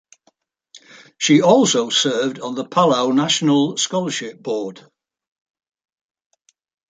She also served on the Palau National Scholarship Board.